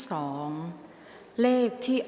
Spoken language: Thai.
ออกรางวัลเลขหน้า๓ตัวครั้งที่๒